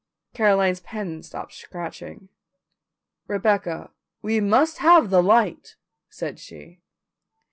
Caroline's pen stopped scratching. "Rebecca, we must have the light," said she.